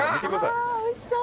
あおいしそう。